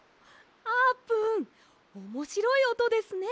あーぷんおもしろいおとですね。